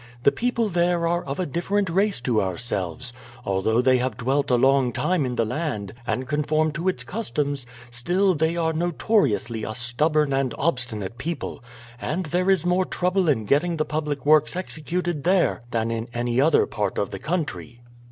The people there are of a different race to ourselves. Although they have dwelt a long time in the land and conform to its customs, still they are notoriously a stubborn and obstinate people, and there is more trouble in getting the public works executed there than in any other part of the country."